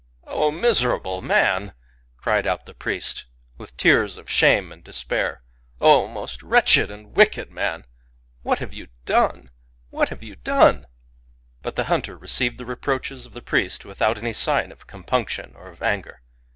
" O miserable man !" cried out the priest, with tears of shame and despair, " O most wretched and wicked man ! what have you done ?— what have you done?" But the hunter received the reproaches of the priest without any sign of compunction or of anger.